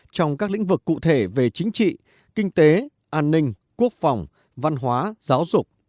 trong các lĩnh vực cụ thể về chính trị kinh tế an ninh quốc phòng văn hóa giáo dục